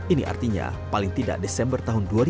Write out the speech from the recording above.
ini artinya paling tidak desember tahun dua ribu dua puluh